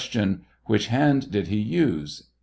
Which hand did he use?